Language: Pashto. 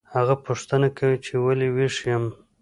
هغه پوښتنه کوي چې ولې ویښ یم